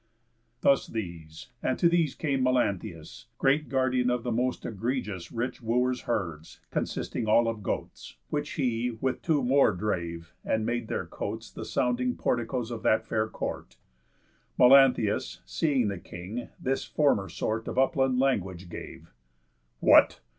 Thus these; and to these came Melanthius, Great guardian of the most egregious Rich Wooers' herds, consisting all of goats; Which he, with two more, drave, and made their cotes The sounding porticos of that fair court. Melanthius, seeing the king, this former sort Of upland language gave: "What?